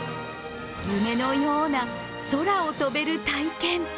夢のような空を飛べる体験。